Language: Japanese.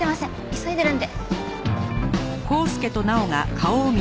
急いでるんで。